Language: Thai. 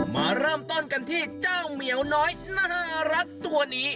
มาเริ่มต้นกันที่เจ้าเหมียวน้อยน่ารักตัวนี้